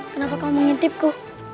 kenapa kamu mengintipku